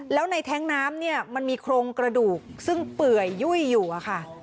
แล้วในแท้งน้ำเนี่ยมันมีโครงกระดูกซึ่งเปื่อยยุ่ยอยู่อะค่ะ